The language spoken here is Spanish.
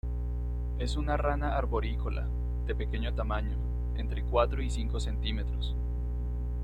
Es una rana arborícola de pequeño tamaño, entre cuatro y cinco centímetros.